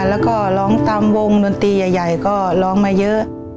แล้วก็ร้องตามวงดนตรีใหญ่ก็ร้องมาเยอะ